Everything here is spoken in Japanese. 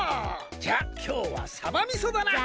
じゃあきょうはさばみそだな！